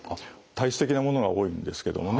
体質的なものが多いんですけどもね